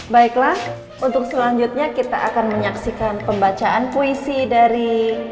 baiklah untuk selanjutnya kita akan menyaksikan pembacaan puisi dari